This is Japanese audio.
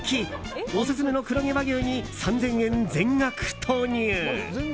オススメの黒毛和牛に３０００円、全額投入！